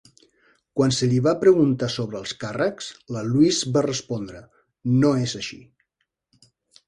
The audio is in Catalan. Quan se li va preguntar sobre els càrrecs, la Louise va respondre: "No és així".